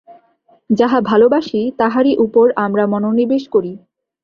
যাহা ভালবাসি, তাহারই উপর আমরা মনোনিবেশ করি।